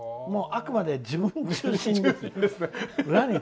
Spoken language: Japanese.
あくまで自分中心ですね。